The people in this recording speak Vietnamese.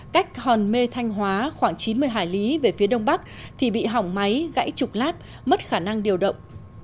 cách hòn mê thanh hóa khoảng chín mươi hải lý về phía đông bắc thì bị hỏng máy gãy trục lát mất khả năng điều động